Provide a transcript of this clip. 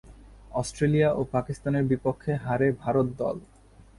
Australia ও পাকিস্তানের বিপক্ষে হারে ভারত দল।